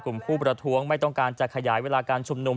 ผู้ประท้วงไม่ต้องการจะขยายเวลาการชุมนุม